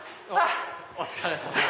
お疲れさまです。